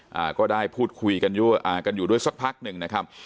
อ่าก็ได้พูดคุยกันอยู่อ่ากันอยู่ด้วยสักพักหนึ่งนะครับ